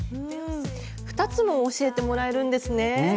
２つも教えてもらえるんですね。